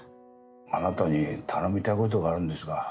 あなたに頼みたいことがあるんですが。